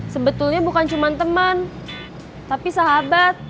sebetulnya bukan cuma teman tapi sahabat